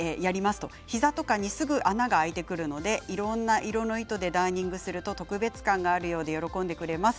膝とかにすぐ穴が開いてくるのでいろんな色の糸でダーニングすると特別感があるようで喜んでくれます。